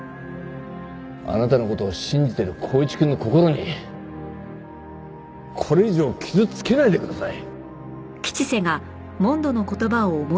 あなたの事を信じてる光一くんの心にこれ以上傷つけないでください。